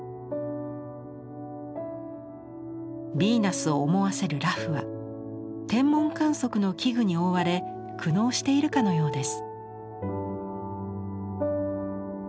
ビーナスを思わせる裸婦は天文観測の器具に覆われ苦悩しているかのようです。